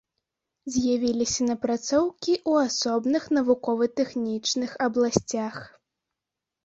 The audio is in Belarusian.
З'явіліся напрацоўкі ў асобных навукова-тэхнічных абласцях.